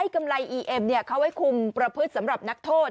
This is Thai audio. กำไรอีเอ็มเขาไว้คุมประพฤติสำหรับนักโทษ